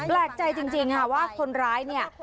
แปลกใจจริงค่ะว่าคนร้ายเนี่ย